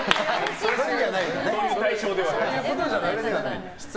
そういう対象ではない。